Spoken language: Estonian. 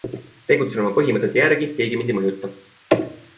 Tegutsen oma põhimõtete järgi, keegi mind ei mõjuta.